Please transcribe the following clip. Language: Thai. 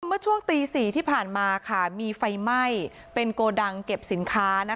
เมื่อช่วงตี๔ที่ผ่านมามีไฟไหม้เป็นโกดังเก็บสินค้า